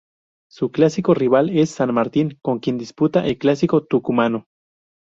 Su clásico rival es San Martín, con quien disputa el Clásico tucumano.